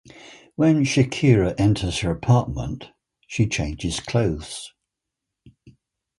When Shakira enters her apartment, she changes clothes.